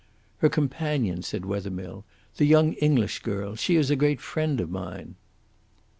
"Her companion," said Wethermill, "the young English girl she is a great friend of mine."